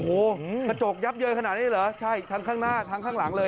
โอ้โหขนาดนี้หรอใช่ทางข้างหน้าทางข้างหลังเลย